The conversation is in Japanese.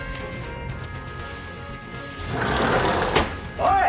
おい！